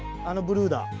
あのブルーだ。